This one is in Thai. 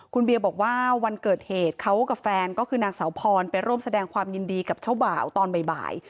คุณเบียบอกว่าวันเกิดเหตุเขากับแฟนก็คือนางสาวพรไปร่วมแสดงความยินดีกับเจ้าบ่าวตอนบ่าย